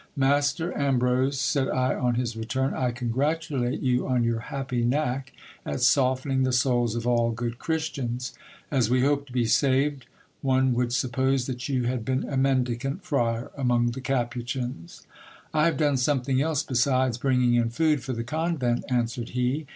Master Ambrose, said I on his return, I congratulate you on your happy knack at softening the souls of all good Christians. As we hope to be saved ! one would suppose that you had been a mendicant friar among the Capuchins. I have done something else besides bringing in food for the convent, answered he.